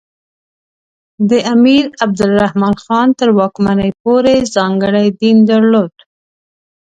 د امیر عبدالرحمان خان تر واکمنۍ پورې ځانګړی دین درلود.